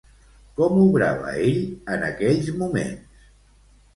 Com obrava ell en aquells moments?